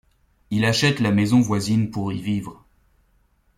Il achète la maison voisine pour y vivre.